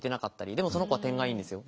でもその子は点がいいんですよ。